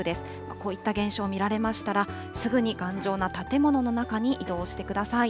こういった現象見られましたら、すぐに頑丈な建物の中に移動してください。